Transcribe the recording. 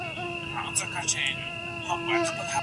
آیا منطق تر جذباتو روښانه دی؟